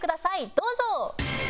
どうぞ。